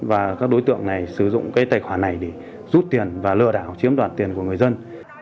và các đối tượng này sử dụng cái tài khoản này để rút tiền và lừa đảo chiếm đoạt tiền của người dân